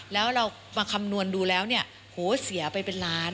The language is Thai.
แล้วเรามาคำนวณดูแล้วเนี่ยโหเสียไปเป็นล้าน